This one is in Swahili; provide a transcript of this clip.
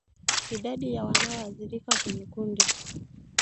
Idadi ya wanaoathirika kwenye kundi